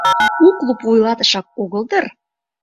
У клуб вуйлатышак огыл дыр?